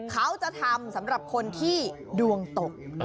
เขาจะทำสำหรับคนที่ดวงตก